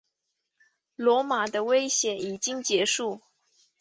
罗马的危险已经结束。